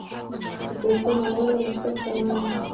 د پیسو ناوړه مصرف تاوان رامنځته کوي.